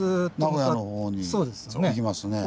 名古屋の方に行きますね。